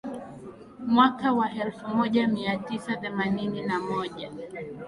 Mwaka wa elfu moja mia tisa themanini na moja